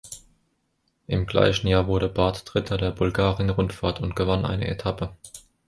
Im gleichen Jahr wurde Barth Dritter der Bulgarien-Rundfahrt und gewann eine Etappe.